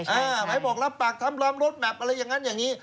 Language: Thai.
หมายบอกรับปากทำล้อมรถแมพอะไรอย่างนั้นอย่างนี้